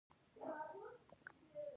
زموږ د جهل جهنم به څوک ونه مني.